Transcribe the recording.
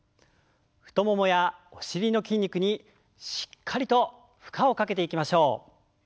太ももやお尻の筋肉にしっかりと負荷をかけていきましょう。